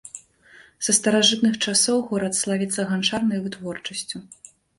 Са старажытных часоў горад славіцца ганчарнай вытворчасцю.